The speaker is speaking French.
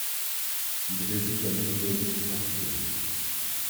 Il réside à Lisbonne au Portugal.